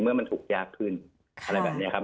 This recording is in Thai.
เมื่อมันถูกยากขึ้นอะไรแบบนี้ครับ